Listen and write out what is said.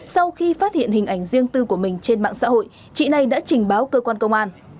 sau khi phát hiện hình ảnh riêng tư của mình trên mạng xã hội chị này đã trình báo cơ quan công an